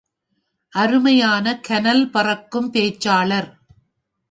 அருமையான கனல் பறக்கும் பேச்சாளர்.